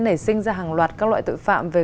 nảy sinh ra hàng loạt các loại tội phạm về